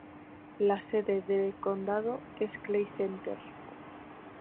La sede de condado es Clay Center.